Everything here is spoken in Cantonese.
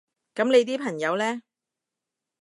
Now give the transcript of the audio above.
噉你啲朋友呢？